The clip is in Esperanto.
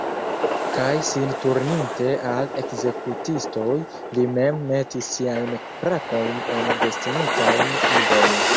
Kaj sin turninte al ekzekutistoj, li mem metis siajn brakojn en destinitajn ingojn.